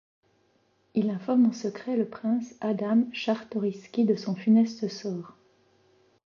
Il informe en secret le Prince Adam Czartoryski de son funeste sort.